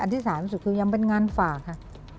อันที่สามารถรู้สึกคือยังเป็นงานฝากค่ะ